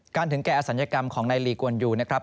การถึงแก่อาสัญกรรมของในลีกวันยูนะครับ